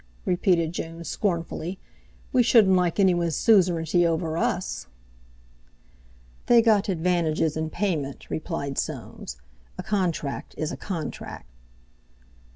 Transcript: repeated June scornfully; "we shouldn't like anyone's suzerainty over us." "They got advantages in payment," replied Soames; "a contract is a contract."